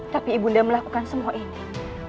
tapi ibu nda melakukan semua ini